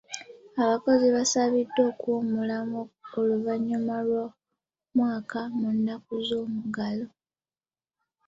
Abakozi baasabiddwa okuwummulamu oluvannyuma lw'omwaka mu nnaku z'omuggalo.